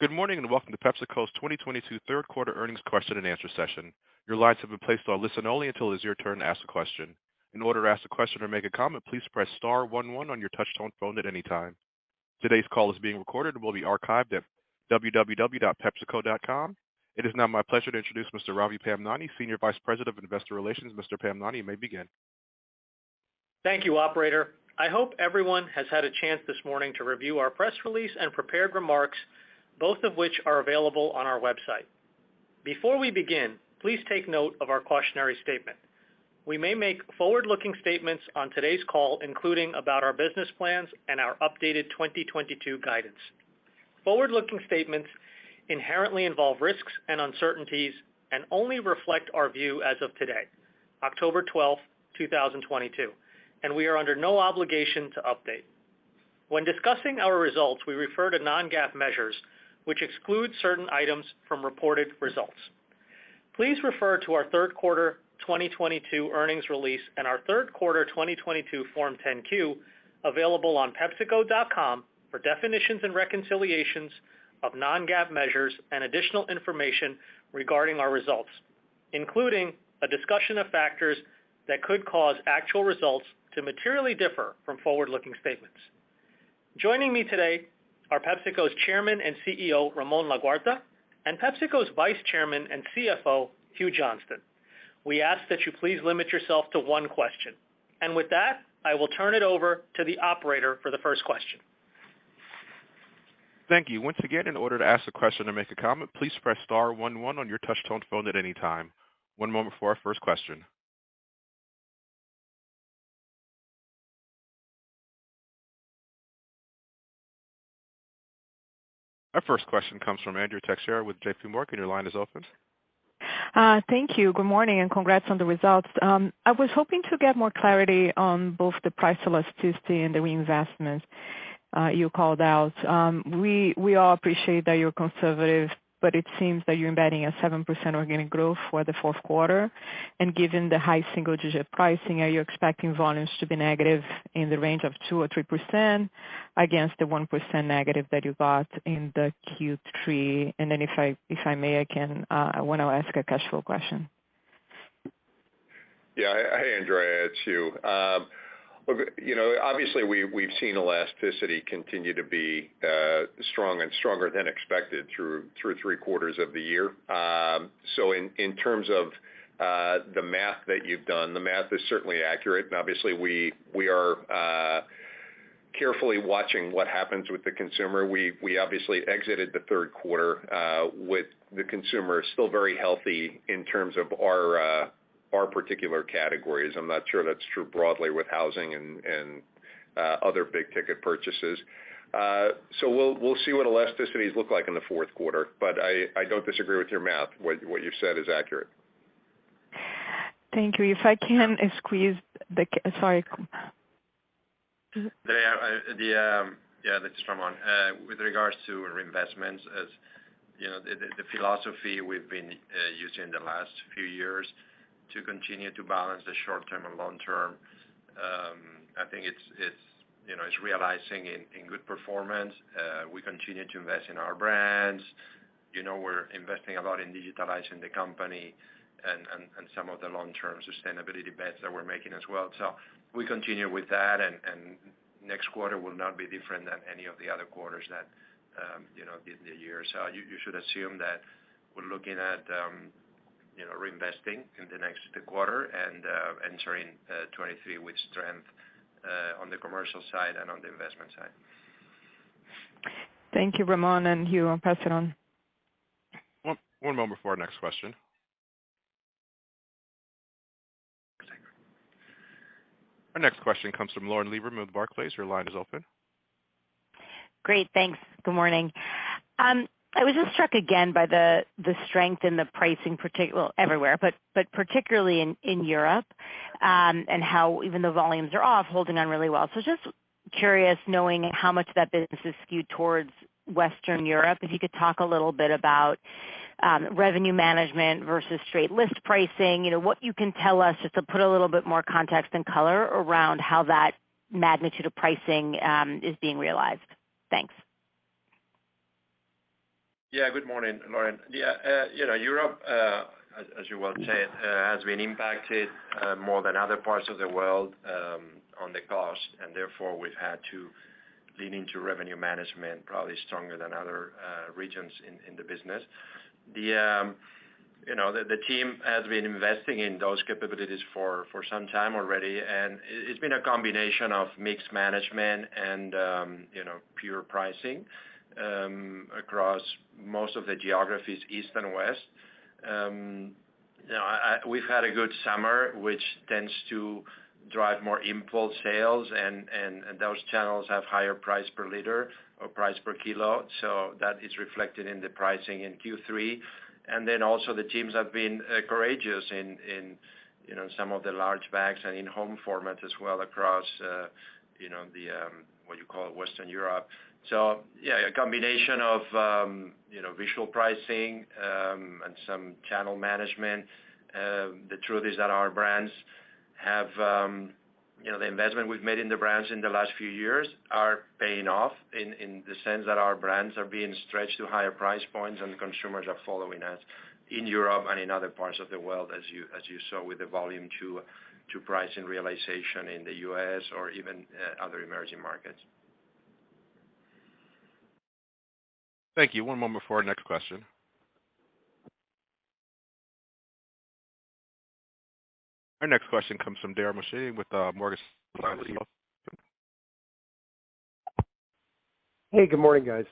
Good morning, and welcome to PepsiCo's 2022 third quarter earnings question and answer session. Your lines have been placed on listen only until it is your turn to ask a question. In order to ask a question or make a comment, please press star one one on your touchtone phone at any time. Today's call is being recorded and will be archived at www.pepsico.com. It is now my pleasure to introduce Mr. Ravi Pamnani, Senior Vice President of Investor Relations. Mr. Pamnani, you may begin. Thank you, operator. I hope everyone has had a chance this morning to review our press release and prepared remarks, both of which are available on our website. Before we begin, please take note of our cautionary statement. We may make forward-looking statements on today's call, including about our business plans and our updated 2022 guidance. Forward-looking statements inherently involve risks and uncertainties and only reflect our view as of today, October 12, 2022, and we are under no obligation to update. When discussing our results, we refer to non-GAAP measures, which exclude certain items from reported results. Please refer to our third quarter 2022 earnings release and our third quarter 2022 Form 10-Q available on pepsico.com for definitions and reconciliations of non-GAAP measures and additional information regarding our results, including a discussion of factors that could cause actual results to materially differ from forward-looking statements. Joining me today are PepsiCo's Chairman and CEO, Ramon Laguarta, and PepsiCo's Vice Chairman and CFO, Hugh Johnston. We ask that you please limit yourself to one question. With that, I will turn it over to the operator for the first question. Thank you. Once again, in order to ask a question or make a comment, please press star one one on your touch-tone phone at any time. One moment for our first question. Our first question comes from Andrea Teixeira with JPMorgan. Your line is open. Thank you. Good morning, and congrats on the results. I was hoping to get more clarity on both the price elasticity and the reinvestments you called out. We all appreciate that you're conservative, but it seems that you're embedding a 7% organic growth for the fourth quarter. Given the high single-digit pricing, are you expecting volumes to be negative in the range of 2% or 3% against the 1% negative that you got in the Q3? If I may, I wanna ask a cash flow question. Yeah. Hey, Andrea, it's Hugh. Look, you know, obviously we've seen elasticity continue to be strong and stronger than expected through three quarters of the year. In terms of the math that you've done, the math is certainly accurate. Obviously, we are carefully watching what happens with the consumer. We obviously exited the third quarter with the consumer still very healthy in terms of our particular categories. I'm not sure that's true broadly with housing and other big-ticket purchases. We'll see what elasticities look like in the fourth quarter, but I don't disagree with your math. What you said is accurate. Thank you. Sorry. Yeah, this is Ramon. With regards to reinvestments, as you know, the philosophy we've been using the last few years to continue to balance the short term and long term, I think it's resulting in good performance. We continue to invest in our brands. You know, we're investing a lot in digitizing the company and some of the long-term sustainability bets that we're making as well. We continue with that, and next quarter will not be different than any of the other quarters during the year. You should assume that we're looking at reinvesting in the next quarter and entering 2023 with strength on the commercial side and on the investment side. Thank you, Ramon and Hugh. I'll pass it on. One moment before our next question. Our next question comes from Lauren Lieberman with Barclays. Your line is open. Great. Thanks. Good morning. I was just struck again by the strength in the pricing, well, everywhere, but particularly in Europe, and how even the volumes are holding on really well. Just curious, knowing how much that business is skewed towards Western Europe, if you could talk a little bit about revenue management versus straight list pricing. You know, what you can tell us just to put a little bit more context and color around how that magnitude of pricing is being realized. Thanks. Yeah. Good morning, Lauren. Yeah, you know, Europe, as you well said, has been impacted more than other parts of the world on the cost, and therefore we've had to lean into revenue management probably stronger than other regions in the business. You know, the team has been investing in those capabilities for some time already, and it's been a combination of mix management and you know, pure pricing across most of the geographies, East and West. You know, we've had a good summer, which tends to drive more impulse sales and those channels have higher price per liter or price per kilo, so that is reflected in the pricing in Q3. The teams have been courageous in you know some of the large bags and in-home format as well across you know the what you call Western Europe. Yeah, a combination of you know visual pricing and some channel management. The truth is that our brands have you know the investment we've made in the brands in the last few years are paying off in the sense that our brands are being stretched to higher price points and consumers are following us in Europe and in other parts of the world, as you saw with the volume to price and realization in the U.S. or even other emerging markets. Thank you. One moment before our next question. Our next question comes from Dara Mohsenian with Morgan Stanley. Hey, good morning, guys.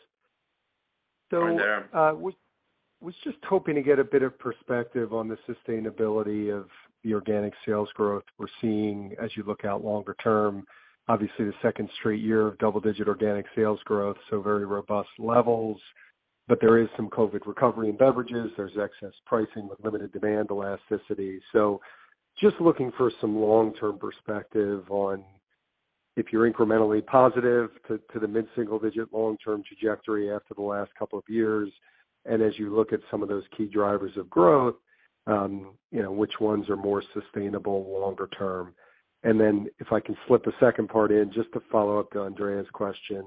Morning, Dara. Was just hoping to get a bit of perspective on the sustainability of the organic sales growth we're seeing as you look out longer term. Obviously, the second straight year of double-digit organic sales growth, so very robust levels. There is some COVID recovery in beverages. There's excess pricing with limited demand elasticity. Just looking for some long-term perspective on if you're incrementally positive to the mid-single digit long-term trajectory after the last couple of years, and as you look at some of those key drivers of growth, you know, which ones are more sustainable longer term. Then if I can slip a second part in, just to follow up to Andrea's question,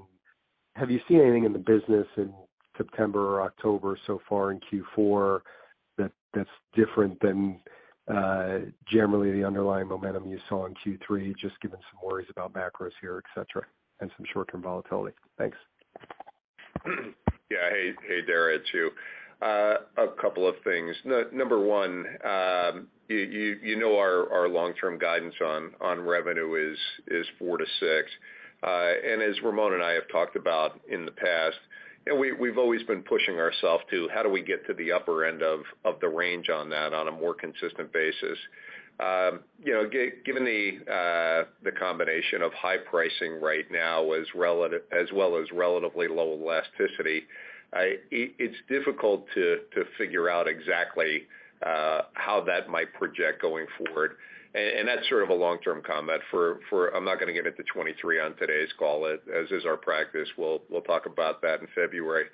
have you seen anything in the business in September or October so far in Q4 that's different than generally the underlying momentum you saw in Q3, just given some worries about macros here, et cetera, and some short-term volatility? Thanks. Yeah. Hey, Dara. It's Hugh. A couple of things. Number one, you know our long-term guidance on revenue is 4%-6%. And as Ramon and I have talked about in the past, and we've always been pushing ourself to how do we get to the upper end of the range on that on a more consistent basis. You know, given the combination of high pricing right now as well as relatively low elasticity, it's difficult to figure out exactly how that might project going forward. That's sort of a long-term comment for 2023. I'm not gonna give it to 2023 on today's call. As is our practice, we'll talk about that in February.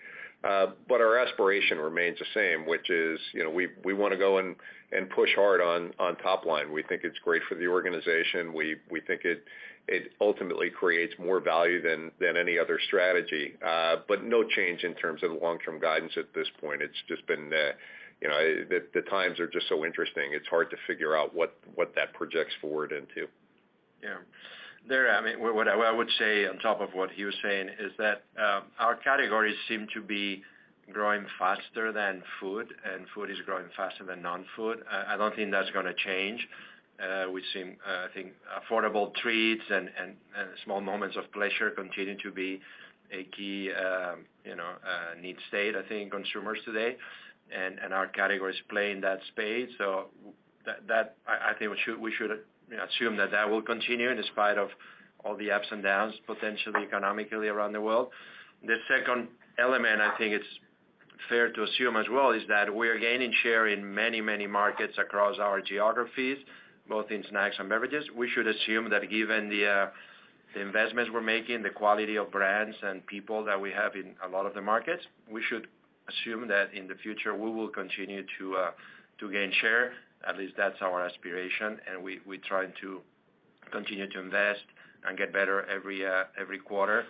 But our aspiration remains the same, which is, you know, we wanna go and push hard on top line. We think it's great for the organization. We think it ultimately creates more value than any other strategy. But no change in terms of long-term guidance at this point. It's just been, you know, the times are just so interesting. It's hard to figure out what that projects forward into. I mean, what I would say on top of what he was saying is that our categories seem to be growing faster than food, and food is growing faster than non-food. I don't think that's gonna change. We've seen, I think affordable treats and small moments of pleasure continuing to be a key, you know, need state, I think, in consumers today. Our categories play in that space, so that I think we should assume that that will continue in spite of all the ups and downs potentially economically around the world. The second element, I think it's fair to assume as well, is that we are gaining share in many markets across our geographies, both in snacks and beverages. We should assume that given the investments we're making, the quality of brands and people that we have in a lot of the markets, we should assume that in the future, we will continue to gain share. At least that's our aspiration, and we try to continue to invest and get better every quarter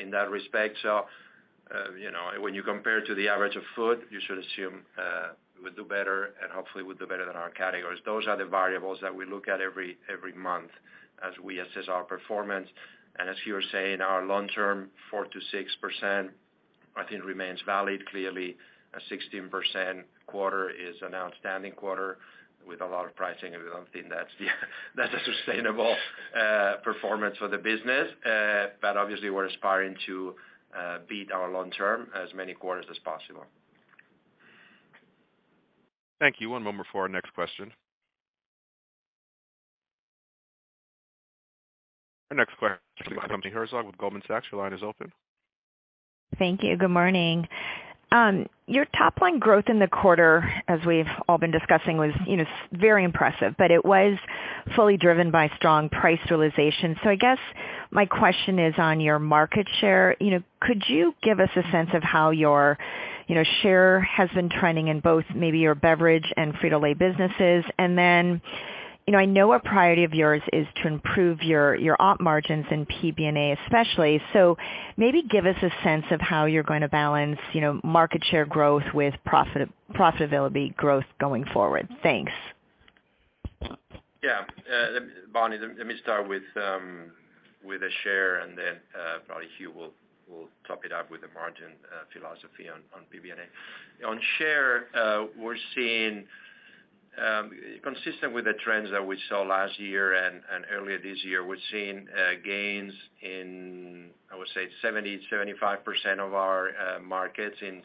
in that respect. You know, when you compare to the average of food, you should assume we'll do better and hopefully we'll do better than our categories. Those are the variables that we look at every month as we assess our performance. As Hugh was saying, our long-term 4%-6%, I think remains valid. Clearly, a 16% quarter is an outstanding quarter with a lot of pricing, and we don't think that's a sustainable performance for the business. Obviously, we're aspiring to beat our long term as many quarters as possible. Thank you. One moment before our next question. Our next question comes from Bonnie Herzog with Goldman Sachs. Your line is open. Thank you. Good morning. Your top line growth in the quarter, as we've all been discussing, was, you know, very impressive, but it was fully driven by strong price realization. I guess my question is on your market share. You know, could you give us a sense of how your, you know, share has been trending in both maybe your beverage and Frito-Lay businesses? You know, I know a priority of yours is to improve your op margins in PBNA especially. Maybe give us a sense of how you're going to balance, you know, market share growth with profitability growth going forward. Thanks. Yeah. Bonnie, let me start with the share and then probably Hugh will top it up with the margin philosophy on PBNA. On share, we're seeing consistent with the trends that we saw last year and earlier this year, we're seeing gains in, I would say, 75% of our markets in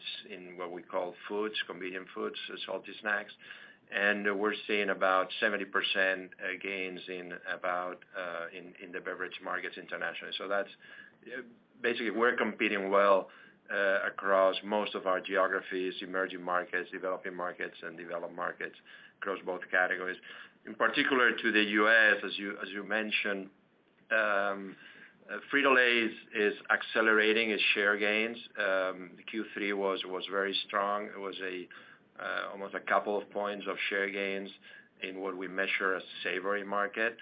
what we call foods, convenient foods, salty snacks. We're seeing about 70% gains in the beverage markets internationally. That's basically, we're competing well across most of our geographies, emerging markets, developing markets, and developed markets across both categories. In particular to the U.S., as you mentioned. Frito-Lay is accelerating its share gains. Q3 was very strong. It was almost a couple of points of share gains in what we measure as savory market,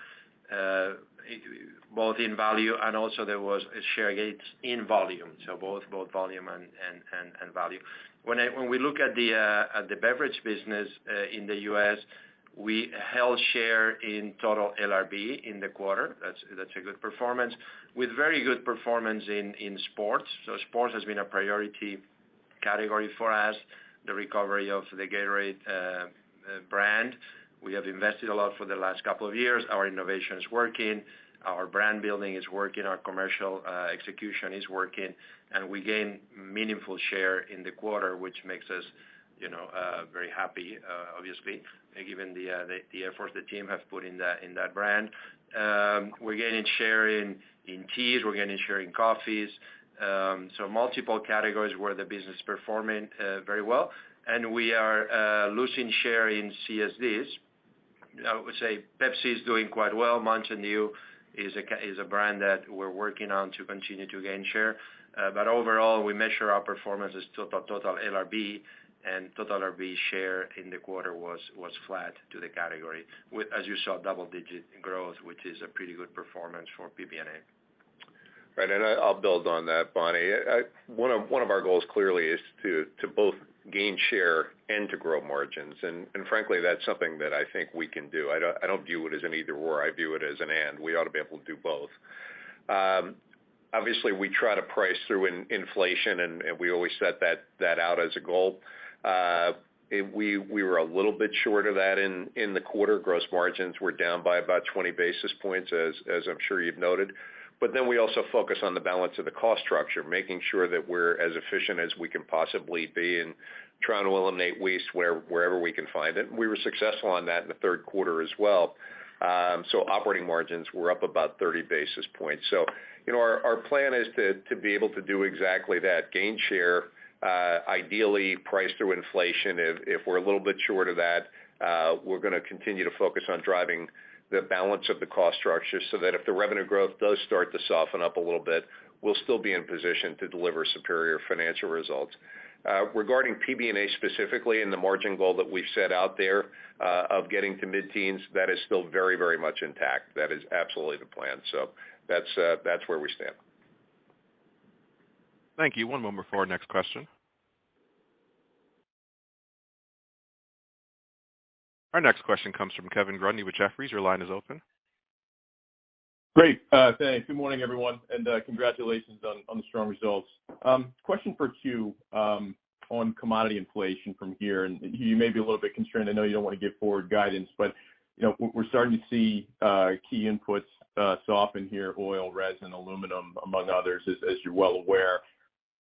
both in value and also there was share gains in volume, so both volume and value. When we look at the beverage business in the U.S., we held share in total LRB in the quarter, that's a good performance, with very good performance in sports. Sports has been a priority category for us, the recovery of the Gatorade brand. We have invested a lot for the last couple of years. Our innovation is working, our brand building is working, our commercial execution is working, and we gain meaningful share in the quarter, which makes us, you know, very happy, obviously, given the the efforts the team have put in that brand. We're gaining share in teas, we're gaining share in coffees, so multiple categories where the business is performing very well. We are losing share in CSDs. I would say Pepsi is doing quite well. Mountain Dew is a brand that we're working on to continue to gain share. Overall, we measure our performance as total LRB, and total LRB share in the quarter was flat to the category. With, as you saw, double-digit growth, which is a pretty good performance for PBNA. Right. I'll build on that, Bonnie. One of our goals clearly is to both gain share and to grow margins. Frankly, that's something that I think we can do. I don't view it as an either/or, I view it as an and. We ought to be able to do both. Obviously, we try to price through inflation, and we always set that out as a goal. We were a little bit short of that in the quarter. Gross margins were down by about 20 basis points, as I'm sure you've noted. We also focus on the balance of the cost structure, making sure that we're as efficient as we can possibly be and trying to eliminate waste wherever we can find it. We were successful on that in the third quarter as well. Operating margins were up about 30 basis points. You know, our plan is to be able to do exactly that, gain share, ideally price through inflation. If we're a little bit short of that, we're gonna continue to focus on driving the balance of the cost structure so that if the revenue growth does start to soften up a little bit, we'll still be in position to deliver superior financial results. Regarding PBNA specifically and the margin goal that we've set out there, of getting to mid-teens, that is still very, very much intact. That is absolutely the plan. That's where we stand. Thank you. One moment for our next question. Our next question comes from Kevin Grundy with Jefferies. Your line is open. Great. Thanks. Good morning, everyone, and congratulations on the strong results. Question for you on commodity inflation from here, and you may be a little bit constrained, I know you don't want to give forward guidance, but, you know, we're starting to see key inputs soften here, oil, resin, aluminum, among others, as you're well aware.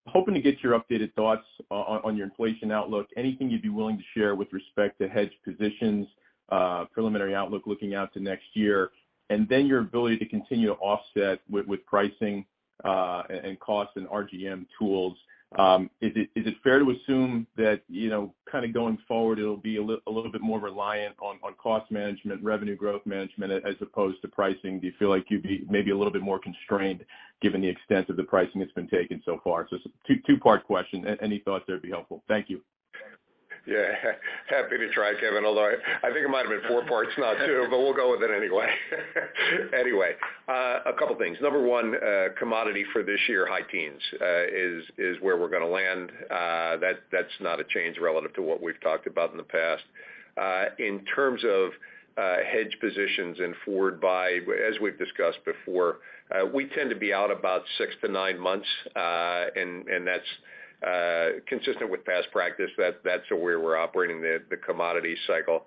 Hoping to get your updated thoughts on your inflation outlook, anything you'd be willing to share with respect to hedge positions, preliminary outlook looking out to next year, and then your ability to continue to offset with pricing, and cost and RGM tools. Is it fair to assume that, you know, kind of going forward, it'll be a little bit more reliant on cost management, revenue growth management as opposed to pricing? Do you feel like you'd be maybe a little bit more constrained given the extent of the pricing that's been taken so far? Two-part question. Any thoughts there would be helpful. Thank you. Yeah happy to try, Kevin, although I think it might have been 4 parts, not 2, but we'll go with it anyway. Anyway, a couple things. Number one, commodity for this year, high teens%, is where we're gonna land. That's not a change relative to what we've talked about in the past. In terms of hedge positions and forward buy, as we've discussed before, we tend to be out about 6-9 months, and that's consistent with past practice. That's where we're operating the commodity cycle.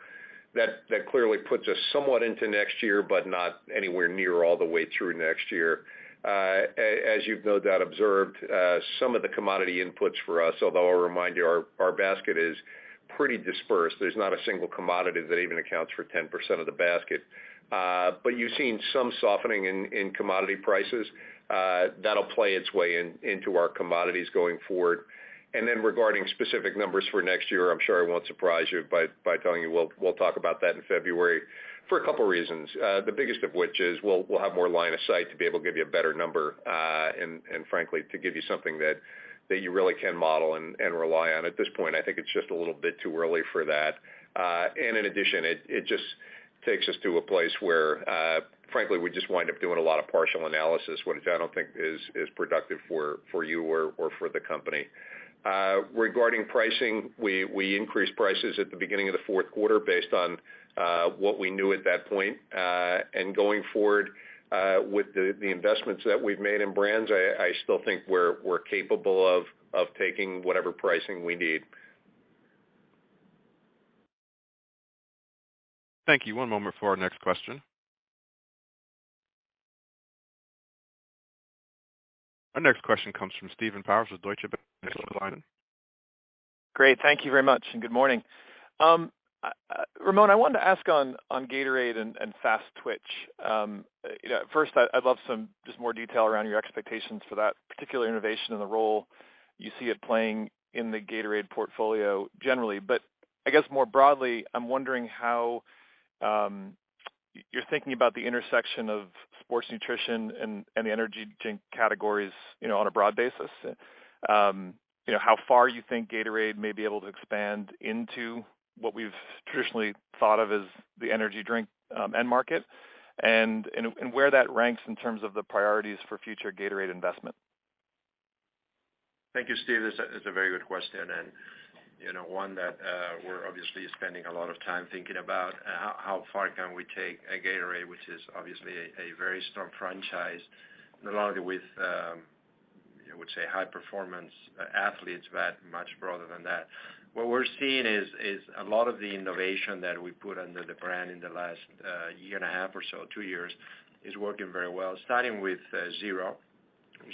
That clearly puts us somewhat into next year, but not anywhere near all the way through next year. As you've no doubt observed, some of the commodity inputs for us, although I'll remind you, our basket is pretty dispersed. There's not a single commodity that even accounts for 10% of the basket. You've seen some softening in commodity prices. That'll play its way into our commodities going forward. Regarding specific numbers for next year, I'm sure I won't surprise you by telling you we'll talk about that in February for a couple reasons. The biggest of which is we'll have more line of sight to be able to give you a better number, and frankly, to give you something that you really can model and rely on. At this point, I think it's just a little bit too early for that. In addition, it just takes us to a place where, frankly, we just wind up doing a lot of partial analysis, which I don't think is productive for you or for the company. Regarding pricing, we increased prices at the beginning of the fourth quarter based on what we knew at that point. Going forward, with the investments that we've made in brands, I still think we're capable of taking whatever pricing we need. Thank you. One moment for our next question. Our next question comes from Steve Powers with Deutsche Bank. Next line. Great. Thank you very much, and good morning. Ramon, I wanted to ask on Gatorade and Fast Twitch. You know, first, I'd love some just more detail around your expectations for that particular innovation and the role you see it playing in the Gatorade portfolio generally. But I guess more broadly, I'm wondering how you're thinking about the intersection of sports nutrition and the energy drink categories, you know, on a broad basis. You know, how far you think Gatorade may be able to expand into what we've traditionally thought of as the energy drink end market, and where that ranks in terms of the priorities for future Gatorade investment. Thank you, Steve. That's a very good question, and you know, one that we're obviously spending a lot of time thinking about. How far can we take Gatorade, which is obviously a very strong franchise, not only with I would say high performance athletes, but much broader than that. What we're seeing is a lot of the innovation that we put under the brand in the last year and a half or so, two years, is working very well, starting with Zero.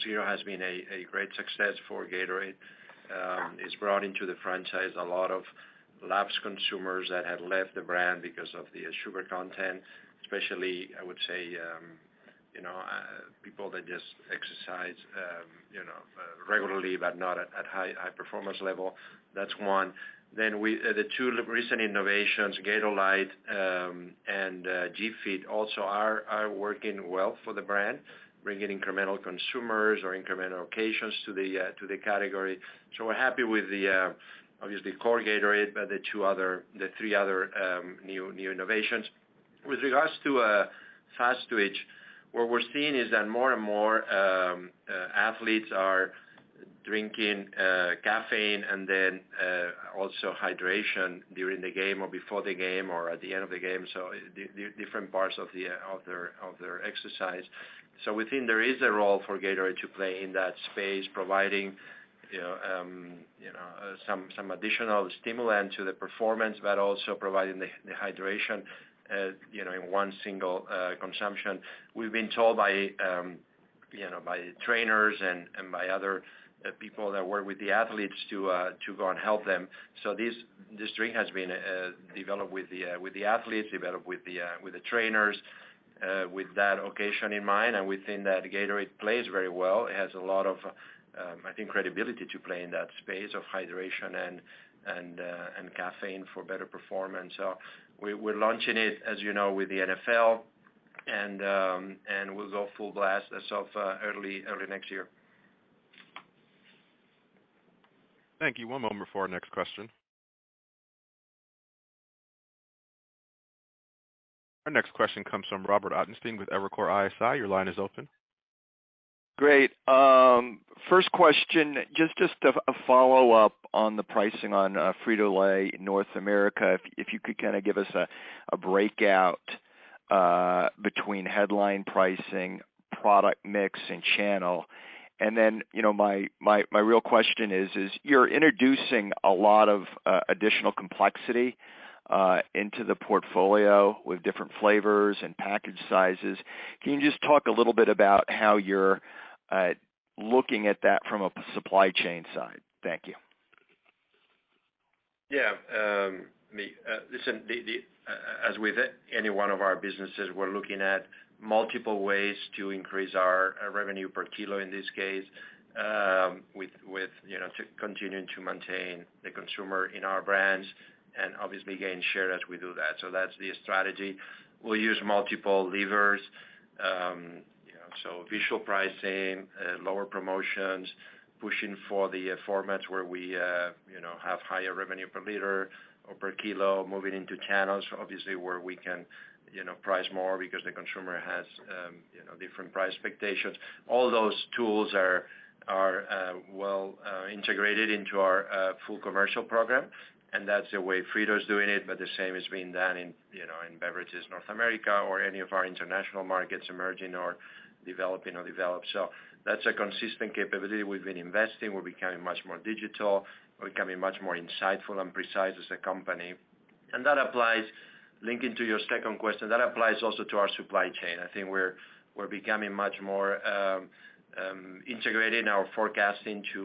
Zero has been a great success for Gatorade. It's brought into the franchise a lot of lapsed consumers that had left the brand because of the sugar content, especially I would say people that just exercise regularly, but not at high performance level. That's one. The two recent innovations, Gatorlyte and Gatorade Fit, also are working well for the brand, bringing incremental consumers or incremental occasions to the category. We're happy with the obviously core Gatorade, but the two other the three other new innovations. With regards to Fast Twitch, what we're seeing is that more and more athletes are drinking caffeine and then also hydration during the game or before the game or at the end of the game, so different parts of their exercise. We think there is a role for Gatorade to play in that space, providing you know you know some additional stimulant to the performance, but also providing the hydration you know in one single consumption. We've been told by, you know, by trainers and by other people that work with the athletes to go and help them. This drink has been developed with the athletes, developed with the trainers, with that occasion in mind. We think that Gatorade plays very well. It has a lot of, I think, credibility to play in that space of hydration and caffeine for better performance. We're launching it, as you know, with the NFL and we'll go full blast as of early next year. Thank you. One moment for our next question. Our next question comes from Robert Ottenstein with Evercore ISI. Your line is open. Great. First question, just a follow-up on the pricing on Frito-Lay in North America. If you could kinda give us a breakout between headline pricing, product mix, and channel. You know, my real question is you're introducing a lot of additional complexity into the portfolio with different flavors and package sizes. Can you just talk a little bit about how you're looking at that from a supply chain side? Thank you. Yeah, as with any one of our businesses, we're looking at multiple ways to increase our revenue per kilo, in this case, with continuing to maintain the consumer in our brands and obviously gain share as we do that. That's the strategy. We'll use multiple levers, you know, various pricing, lower promotions, pushing for the formats where we, you know, have higher revenue per liter or per kilo, moving into channels obviously, where we can, you know, price more because the consumer has, you know, different price expectations. All those tools are well integrated into our full commercial program, and that's the way Frito's doing it, but the same is being done in, you know, in Beverages North America or any of our international markets, emerging or developing or developed. That's a consistent capability. We've been investing. We're becoming much more digital. We're becoming much more insightful and precise as a company. That applies, linking to your second question, also to our supply chain. I think we're becoming much more integrated in our forecasting to,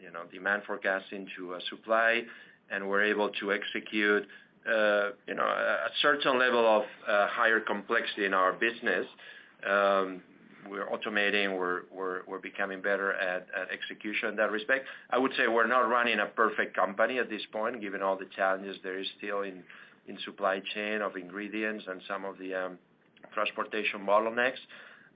you know, demand forecasting to supply, and we're able to execute, you know, a certain level of higher complexity in our business. We're automating. We're becoming better at execution in that respect. I would say we're not running a perfect company at this point, given all the challenges there is still in supply chain of ingredients and some of the transportation bottlenecks.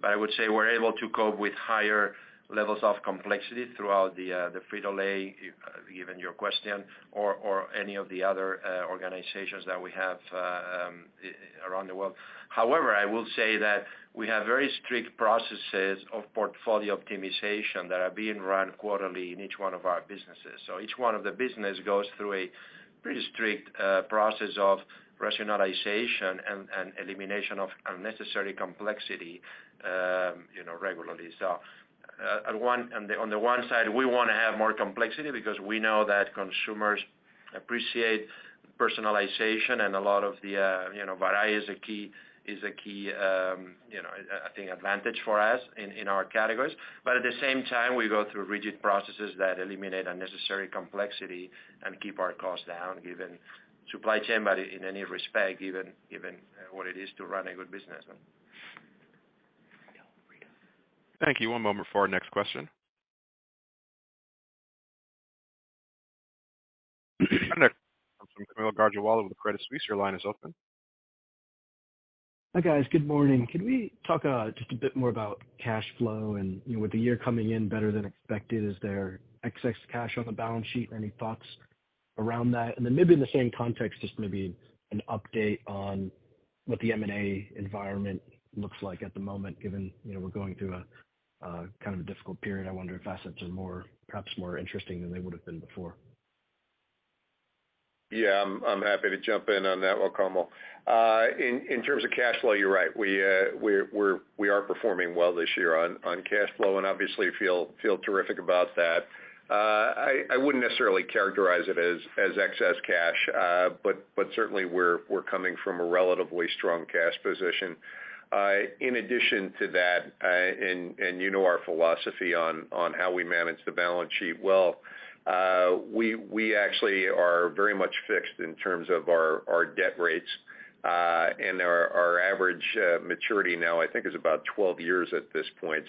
I would say we're able to cope with higher levels of complexity throughout the Frito-Lay, given your question or any of the other organizations that we have around the world. However, I will say that we have very strict processes of portfolio optimization that are being run quarterly in each one of our businesses. Each one of the business goes through a pretty strict process of rationalization and elimination of unnecessary complexity, you know, regularly. On the one side, we wanna have more complexity because we know that consumers appreciate personalization and a lot of the variety is a key, you know, I think advantage for us in our categories. at the same time, we go through rigid processes that eliminate unnecessary complexity and keep our costs down, given supply chain, but in any respect, given what it is to run a good business. Thank you. One moment for our next question. Your next question comes from Kaumil Gajrawala with Credit Suisse. Your line is open. Hi, guys. Good morning. Can we talk just a bit more about cash flow and, you know, with the year coming in better than expected, is there excess cash on the balance sheet? Any thoughts around that? Maybe in the same context, just maybe an update on what the M&A environment looks like at the moment, given, you know, we're going through a kind of a difficult period. I wonder if assets are perhaps more interesting than they would have been before. Yeah, I'm happy to jump in on that one, Kaumil. In terms of cash flow, you're right. We are performing well this year on cash flow and obviously feel terrific about that. I wouldn't necessarily characterize it as excess cash, but certainly we're coming from a relatively strong cash position. In addition to that, you know our philosophy on how we manage the balance sheet well, we actually are very much fixed in terms of our debt rates, and our average maturity now, I think is about 12 years at this point.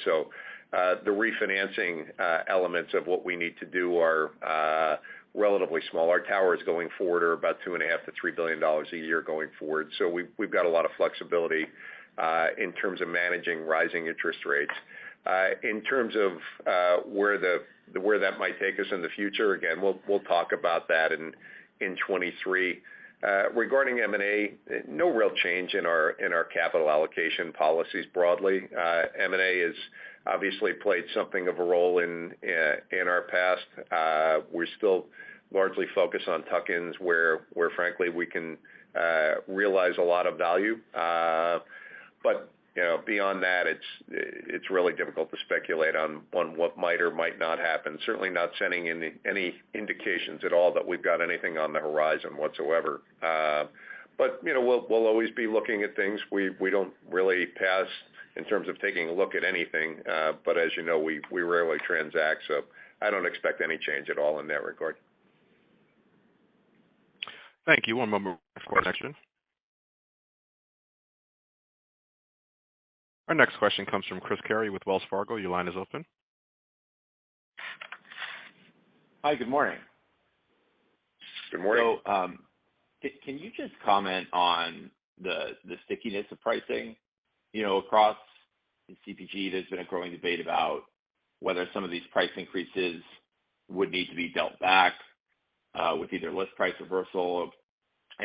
The refinancing elements of what we need to do are relatively small. Our capex going forward is about $2.5 billion-$3 billion a year going forward. We've got a lot of flexibility in terms of managing rising interest rates. In terms of where that might take us in the future, again, we'll talk about that in 2023. Regarding M&A, no real change in our capital allocation policies broadly. M&A has obviously played something of a role in our past. We're still largely focused on tuck-ins where frankly we can realize a lot of value. You know, beyond that, it's really difficult to speculate on what might or might not happen. Certainly not sending any indications at all that we've got anything on the horizon whatsoever. You know, we'll always be looking at things. We don't really pass on in terms of taking a look at anything, but as you know, we rarely transact, so I don't expect any change at all in that regard. Thank you. One moment for our next question. Our next question comes from Chris Carey with Wells Fargo. Your line is open. Hi, good morning. Good morning. Can you just comment on the stickiness of pricing? You know, across CPG, there's been a growing debate about whether some of these price increases would need to be dealt back with either list price reversal or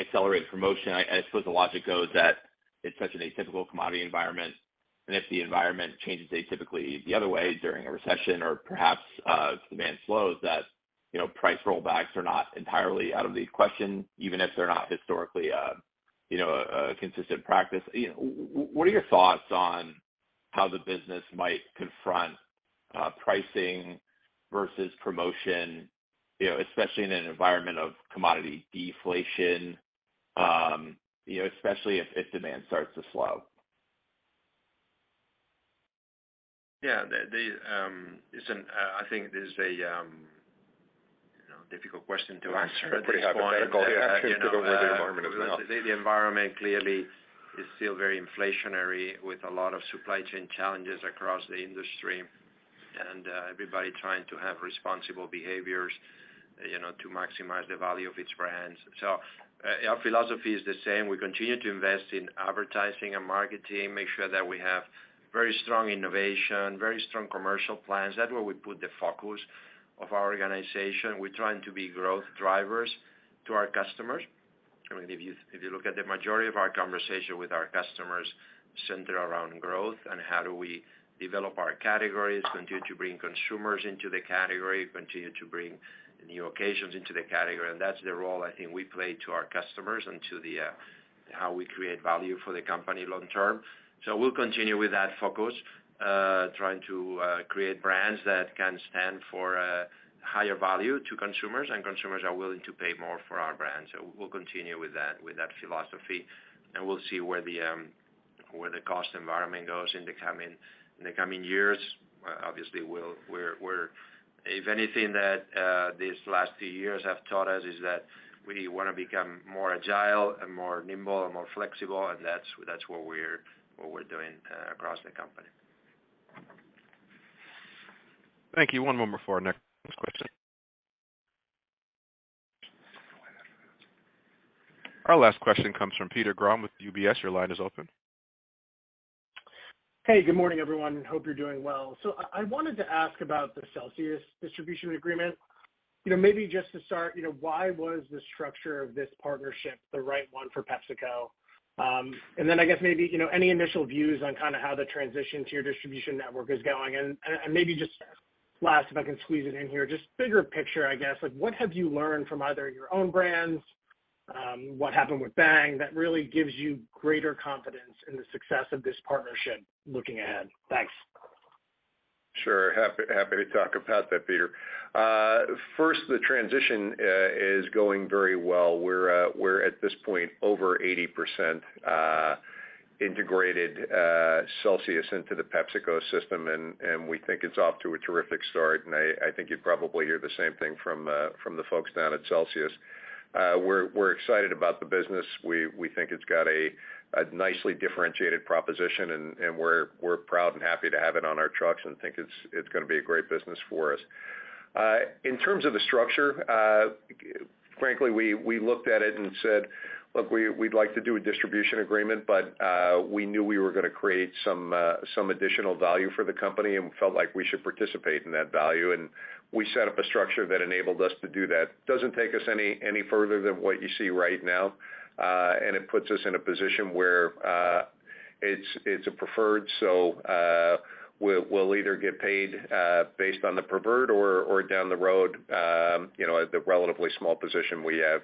accelerated promotion. I suppose the logic goes that it's such an atypical commodity environment, and if the environment changes atypically the other way during a recession or perhaps demand slows, that you know, price rollbacks are not entirely out of the question, even if they're not historically you know, a consistent practice. You know, what are your thoughts on how the business might confront pricing versus promotion, you know, especially in an environment of commodity deflation, you know, especially if demand starts to slow? Yeah. Listen, I think this is a you know, difficult question to answer. Pretty hypothetical. You actually took over the environment as well. The environment clearly is still very inflationary with a lot of supply chain challenges across the industry and everybody trying to have responsible behaviors, you know, to maximize the value of its brands. Our philosophy is the same. We continue to invest in advertising and marketing, make sure that we have very strong innovation, very strong commercial plans. That's where we put the focus of our organization. We're trying to be growth drivers to our customers. I mean, if you look at the majority of our conversation with our customers center around growth and how do we develop our categories, continue to bring consumers into the category, continue to bring new occasions into the category. That's the role I think we play to our customers and to the how we create value for the company long term. We'll continue with that focus, trying to create brands that can stand for higher value to consumers, and consumers are willing to pay more for our brands. We'll continue with that philosophy, and we'll see where the cost environment goes in the coming years. Obviously, if anything that these last few years have taught us is that we wanna become more agile and more nimble and more flexible, and that's what we're doing across the company. Thank you. One moment before our next question. Our last question comes from Peter Grom with UBS. Your line is open. Hey, good morning, everyone, and hope you're doing well. I wanted to ask about the Celsius distribution agreement. You know, maybe just to start, you know, why was the structure of this partnership the right one for PepsiCo? Then I guess maybe, you know, any initial views on kind of how the transition to your distribution network is going. Maybe just last, if I can squeeze it in here, just bigger picture, I guess. Like, what have you learned from either your own brands, what happened with Bang that really gives you greater confidence in the success of this partnership looking ahead? Thanks. Sure. Happy to talk about that, Peter. First, the transition is going very well. We're at this point over 80% integrated Celsius into the PepsiCo system, and we think it's off to a terrific start. I think you'd probably hear the same thing from the folks down at Celsius. We're excited about the business. We think it's got a nicely differentiated proposition, and we're proud and happy to have it on our trucks and think it's gonna be a great business for us. In terms of the structure, frankly, we looked at it and said, "Look, we'd like to do a distribution agreement," but we knew we were gonna create some additional value for the company and felt like we should participate in that value. We set up a structure that enabled us to do that. Doesn't take us any further than what you see right now. It puts us in a position where it's a preferred, so we'll either get paid based on the preferred or down the road, you know, the relatively small position we have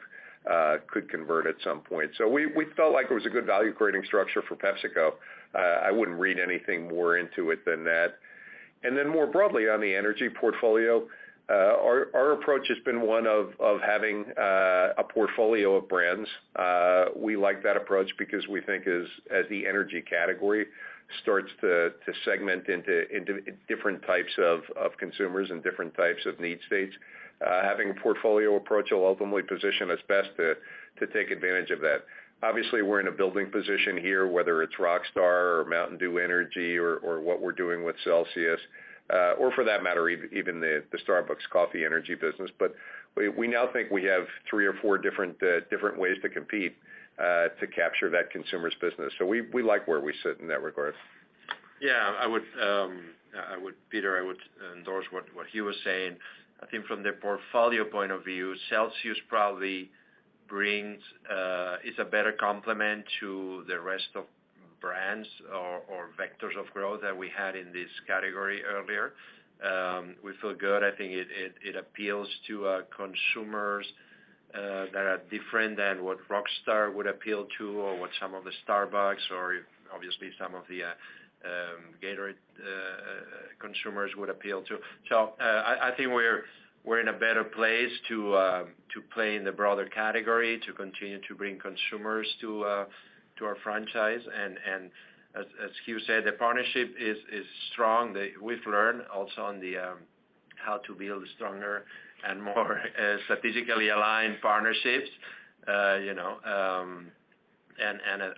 could convert at some point. We felt like it was a good value-creating structure for PepsiCo. I wouldn't read anything more into it than that. Then more broadly on the energy portfolio, our approach has been one of having a portfolio of brands. We like that approach because we think as the energy category starts to segment into different types of consumers and different types of need states, having a portfolio approach will ultimately position us best to take advantage of that. Obviously, we're in a building position here, whether it's Rockstar Energy or Mountain Dew Energy or what we're doing with Celsius, or for that matter, even the Starbucks coffee energy business. We now think we have three or four different ways to compete to capture that consumer's business. We like where we sit in that regard. Yeah, Peter, I would endorse what Hugh was saying. I think from the portfolio point of view, Celsius probably is a better complement to the rest of brands or vectors of growth that we had in this category earlier. We feel good. I think it appeals to consumers that are different than what Rockstar would appeal to, or what some of the Starbucks or obviously some of the Gatorade consumers would appeal to. I think we're in a better place to play in the broader category, to continue to bring consumers to our franchise. As Hugh said, the partnership is strong. We've learned also on how to build stronger and more statistically aligned partnerships.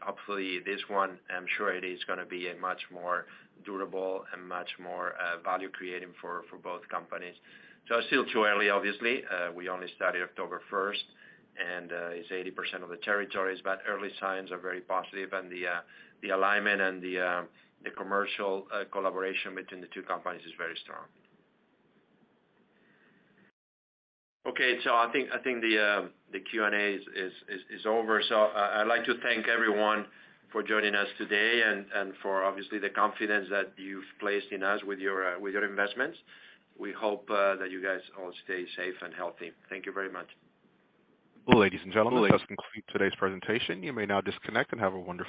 Hopefully this one, I'm sure it is gonna be a much more durable and much more value creating for both companies. It's still too early, obviously. We only started October first, and it's 80% of the territories, but early signs are very positive and the alignment and the commercial collaboration between the two companies is very strong. Okay, I think the Q&A is over. I'd like to thank everyone for joining us today and for obviously the confidence that you've placed in us with your investments. We hope that you guys all stay safe and healthy. Thank you very much. Ladies and gentlemen, that concludes today's presentation. You may now disconnect and have a wonderful day.